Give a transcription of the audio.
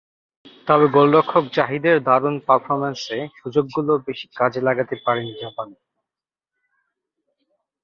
তবে গোলরক্ষক জাহিদের দারুণ পারফরম্যান্সে সুযোগগুলো বেশি কাজে লাগাতে পারেনি জাপান।